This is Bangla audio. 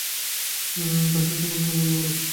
কাছে আসা পর্যন্ত অপেক্ষা কর।